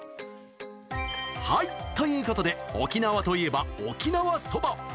はい、ということで沖縄といえば、沖縄そば。